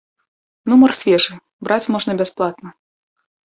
Нумар свежы, браць можна бясплатна.